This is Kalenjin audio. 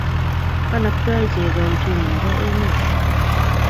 Konobtoi chego uchumi nebo emet